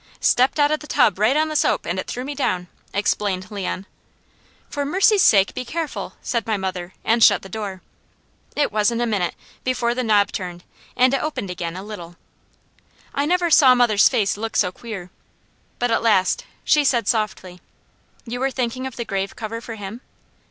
"Stepped out of the tub right on the soap, and it threw me down," explained Leon. "For mercy sake, be careful!" said my mother, and shut the door. It wasn't a minute before the knob turned and it opened again a little. I never saw mother's face look so queer, but at last she said softly: "You were thinking of the grave cover for him?"